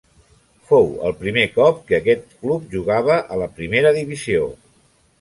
Fou el primer cop que aquest club jugava a la primera divisió.